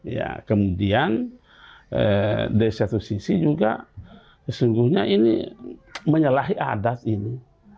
ya kemudian dari satu sisi juga sejujurnya ini menyalahi adat ini